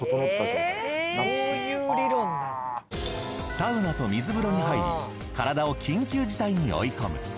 サウナと水風呂に入り体を緊急事態に追い込む。